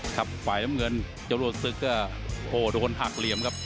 ครับฝ่ายน้ำเงินยกหลวดสึกก็โอ้โดนหักเหลี่ยมครับ